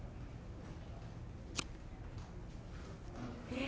え？